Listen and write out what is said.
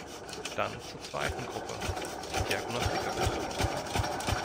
Dann zur zweiten Gruppe, die Diagnostika betrifft.